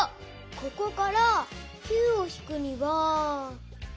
ここから９をひくには。